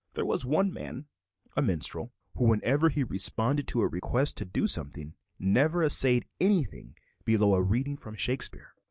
There was one man, a minstrel, who, whenever he responded to a request to "do something," never essayed anything below a reading from Shakespeare.